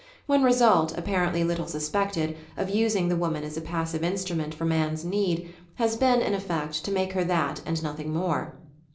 One result, apparently little suspected, of using the woman as a passive instru ment for man's need has been, in effect, to make her that and nothing more.